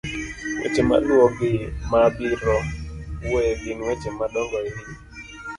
weche maluwogi ma abiro wuoye gin weche madongo e wi